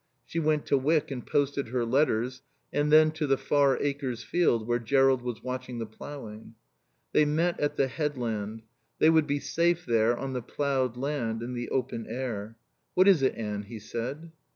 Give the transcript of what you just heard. She went to Wyck and posted her letters, and then to the Far Acres field where Jerrold was watching the ploughing. They met at the "headland." They would be safe there on the ploughed land, in the open air. "What is it, Anne?" he said.